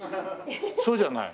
そうじゃない？